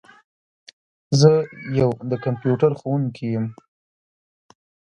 زه یو د کمپیوټر ښوونکي یم.